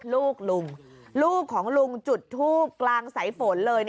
ลูกลุงลูกของลุงจุดทูบกลางสายฝนเลย